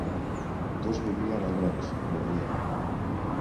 Tots vivien al Bronx, Nova York.